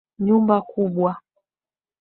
Nyumba kubwa.